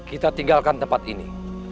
kita tinggalkan tempat ini